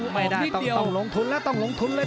ไม่ได้ต้องลงทุนแล้ว